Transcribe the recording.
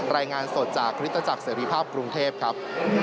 รายงานสดจากคริสตจักรเสรีภาพกรุงเทพครับ